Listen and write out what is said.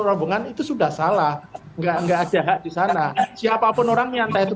rombongan itu sudah salah enggak enggak ada hak di sana siapapun orangnya entah itu